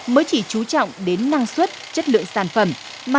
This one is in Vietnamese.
mới chỉ trú trọng đến năng suất chất lượng sản phẩm